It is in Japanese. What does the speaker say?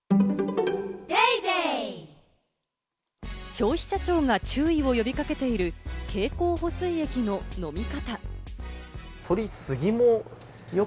消費者庁が注意を呼び掛けている経口補水液の飲み方。